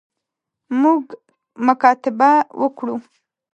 موږ مکاتبه وکړو.